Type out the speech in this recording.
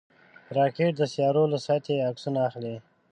راکټ د سیارویو له سطحې عکسونه اخلي